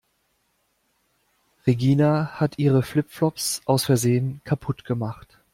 Regina hat ihre Flip-Flops aus Versehen kaputt gemacht.